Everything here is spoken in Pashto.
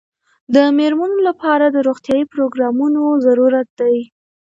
د مېرمنو لپاره د روغتیايي پروګرامونو ضرورت دی.